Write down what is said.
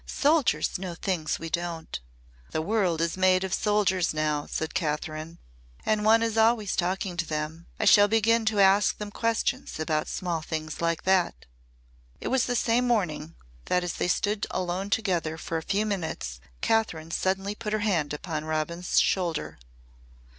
"Soldiers know things we don't." "The world is made of soldiers now," said Kathryn. "And one is always talking to them. I shall begin to ask them questions about small things like that." It was the same morning that as they stood alone together for a few minutes Kathryn suddenly put her hand upon Robin's shoulder.